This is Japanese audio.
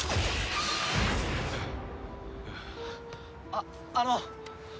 あっあの。